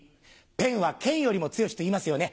ペンは剣よりも強しといいますよね。